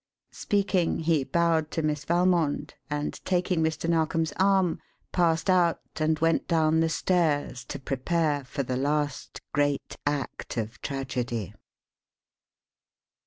Speaking, he bowed to Miss Valmond, and taking Mr. Narkom's arm, passed out and went down the stairs to prepare for the last great act of tragedy.